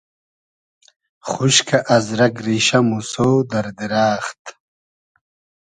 خوشکۂ از رئگ ریشۂ , موسۉ , دئر دیرئخت